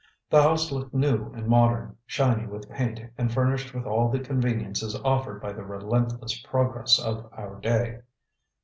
The house looked new and modern, shiny with paint and furnished with all the conveniences offered by the relentless progress of our day.